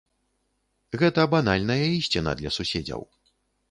Гэта банальная ісціна для суседзяў.